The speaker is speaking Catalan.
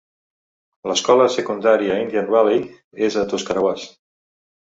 L'escola secundària Indian Valley és a Tuscarawas.